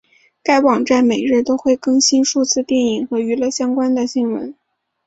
该网站每日都会更新数次电影和娱乐相关的新闻。